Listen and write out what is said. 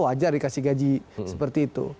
wajar dikasih gaji seperti itu